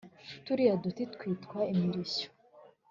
turiya duti twitwa imirishyo.